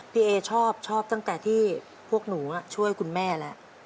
เอชอบชอบตั้งแต่ที่พวกหนูช่วยคุณแม่แล้ว